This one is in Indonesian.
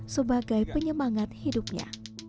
sebagai penyemangat hidupnya